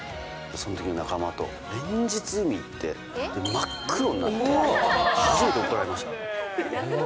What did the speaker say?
そのときの仲間と連日海行って、真っ黒になって、初めて怒られました。